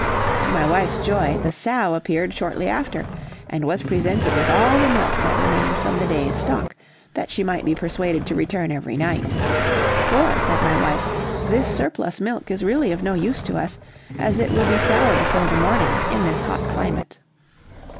To my wife's joy, the sow appeared shortly after, and was presented with all the milk that remained from the day's stock that she might be persuaded to return every night. "For," said my wife, "this surplus milk is really of no use to us, as it will be sour before the morning in this hot climate."